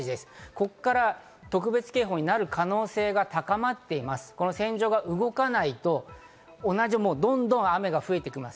ここから特別警報になる可能性が高まっています、線状が動かないと、どんどん雨が増えてきます。